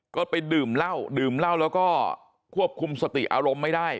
ก็ไปดื่มเหล้าดื่มเหล้าแล้วก็ควบคุมสติอารมณ์ไม่ได้